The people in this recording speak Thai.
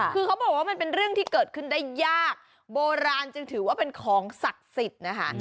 คือเขาบอกว่ามันเป็นเรื่องที่เกิดขึ้นได้ยากโบราณจึงถือว่าเป็นของศักดิ์สิทธิ์นะคะ